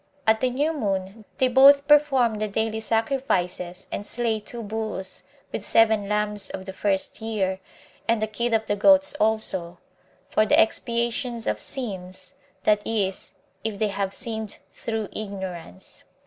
At the new moon, they both perform the daily sacrifices, and slay two bulls, with seven lambs of the first year, and a kid of the goats also, for the expiation of sins; that is, if they have sinned through ignorance.